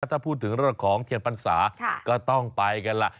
ถ้าพูดถึงเรื่องของเทียนพรรษาก็ต้องไปกันล่ะ